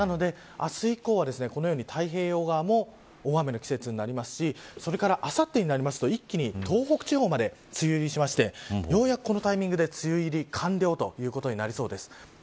なので、明日以降はこのように太平洋側も大雨の季節になりますしそれから、あさってになると一気に東北地方まで梅雨入りしましてようやく、このタイミングで梅雨入り完了ありそうです。